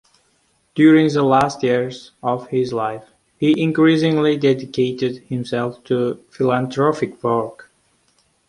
During the last years of his life, he increasingly dedicated himself to philanthropic work.